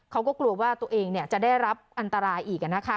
เขาก็กลัวว่าตัวเองจะได้รับอันตรายอีกนะคะ